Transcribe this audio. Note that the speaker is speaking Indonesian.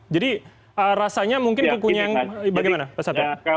jadi rasanya mungkin kekunyangan bagaimana pak satya